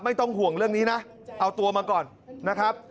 ไม่ต้องห่วงเรื่องนี้นะเอาตัวมาก่อนนะครับ